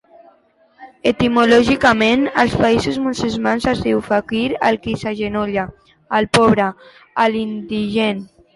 Etimològicament, als països musulmans es diu faquir al qui s'agenolla, al pobre, a l'indigent.